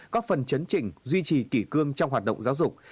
có phần chấn chỉnh duy trì kỷ cương trong hoạt động giáo dục